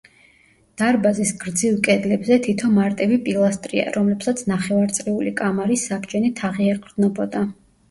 დარბაზის გრძივ კედლებზე თითო მარტივი პილასტრია, რომლებსაც ნახევარწრიული კამარის საბჯენი თაღი ეყრდნობოდა.